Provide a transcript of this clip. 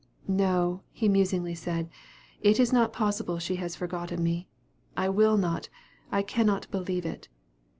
"No," he musingly said; "it is not possible she has forgotten me. I will not, cannot believe it."